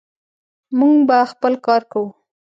موږ به خپل کار کوو.